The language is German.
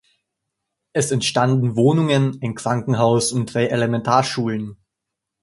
Es entstanden Wohnungen, ein Krankenhaus und drei Elementarschulen.